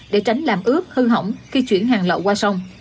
để tránh làm ướp hư hỏng khi chuyển hàng lậu qua sông